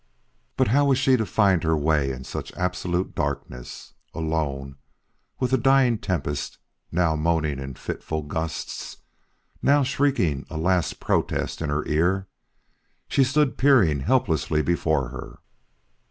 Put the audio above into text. But how was she to find her way in such absolute darkness? Alone with the dying tempest, now moaning in fitful gusts, now shrieking a last protest in her ear, she stood peering helplessly before her.